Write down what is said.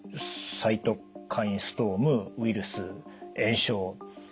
サイトカインストームウイルス炎症。